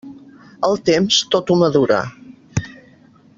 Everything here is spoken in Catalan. El temps, tot ho madura.